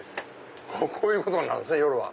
こういうことになるんすね夜は。